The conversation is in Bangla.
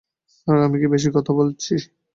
স্যার আমি কি বেশি কথা বলছি?